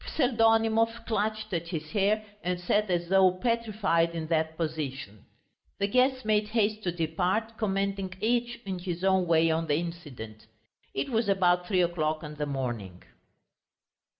Pseldonimov clutched at his hair and sat as though petrified in that position. The guests made haste to depart, commenting each in his own way on the incident. It was about three o'clock in the morning.